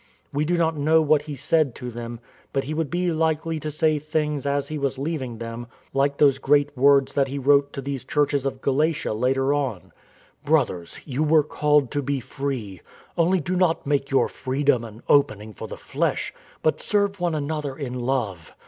We do not know what he said to them; but he would be likely to say things as he was leaving them, like those great words that he wrote to these Churches of Galatia later on. "Brothers, you were called to be free; only, do not make your freedom an opening for the flesh, but serve one another in love.